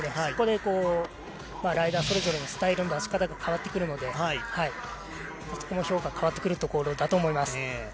そこでライダーそれぞれスタイルが変わってくるんでそこも評価変わってくるところだと思います。